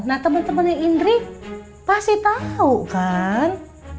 nah temen temennya indri pasti tau kan